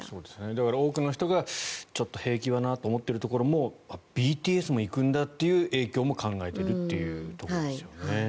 だから多くの人がちょっと兵役はなと思っているところもＢＴＳも行くんだっていう影響も考えているっていうところですよね。